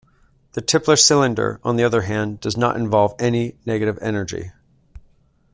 The Tipler cylinder, on the other hand, does not involve any negative energy.